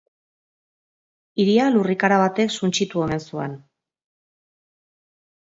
Hiria lurrikara batek suntsitu omen zuen.